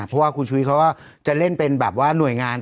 เพราะว่าคุณชุวิตเขาก็จะเล่นเป็นแบบว่าหน่วยงาน